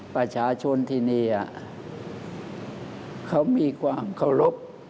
ประชาชนที่นี่เขามีความเคารพ